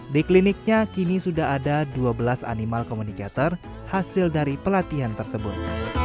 di kliniknya kini sudah ada dua belas animal communicator hasil dari pelatihan tersebut